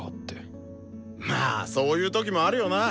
まあそういう時もあるよな！